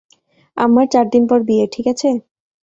আমার চারদিন পর বিয়ে, ঠিকাছে?